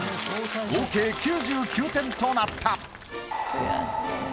合計９９点となった！